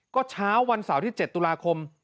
ก็เช้าวันเสาร์ที่๗ตุลาคม